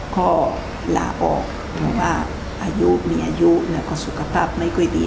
ก็ลาออกเพราะว่าอายุมีอายุแล้วก็สุขภาพไม่ค่อยดี